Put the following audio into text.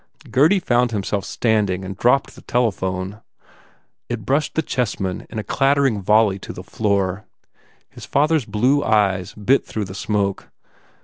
Gurdy found himself standing and dropped the telephone. It brushed the chessmen in a clattering volley to the floor. His father s blue eyes bit through the smoke.